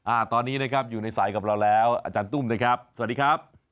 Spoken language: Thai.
อ่าตอนนี้นะครับอยู่ในสายกับเราแล้วอาจารย์ตุ้มนะครับสวัสดีครับ